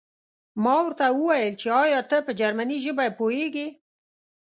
ما ورته وویل چې ایا ته په جرمني ژبه پوهېږې